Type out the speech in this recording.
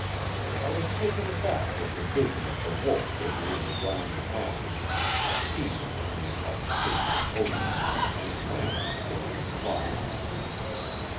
I was taken aback with the vision of the Wolf figure in the grimy passage, a fiend in the intoxication of opium, and stammered for a reply.